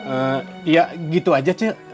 eh ya gitu aja c